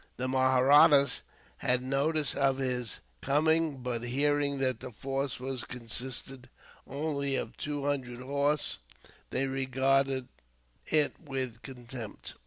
The Mahrattas had notice of his coming; but hearing that the force consisted only of two hundred horse, they regarded it with contempt.